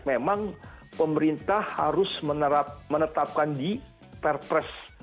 memang pemerintah harus menetapkan di perpres